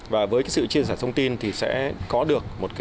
và với cái sự chia sẻ thông tin thì sẽ có được một cái